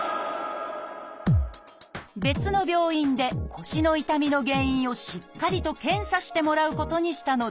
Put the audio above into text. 別の病院で腰の痛みの原因をしっかりと検査してもらうことにしたのです。